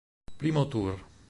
Primo tour...